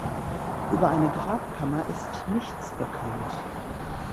Über eine Grabkammer ist nichts bekannt.